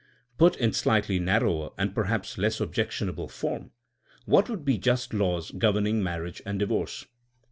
Put in slightly narrower and perhaps less objectionable form: What would be just laws governing marriage and divorce!